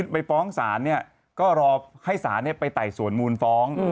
ไปฟ้องศาลก็รอให้ศาลไปไต่สวนมูลฟ้อง